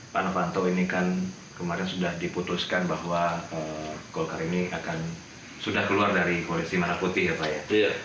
pak novanto ini kan kemarin sudah diputuskan bahwa golkar ini akan sudah keluar dari koalisi merah putih ya pak ya